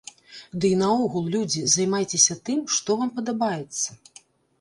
Дый наогул, людзі, займайцеся тым, што вам падабаецца.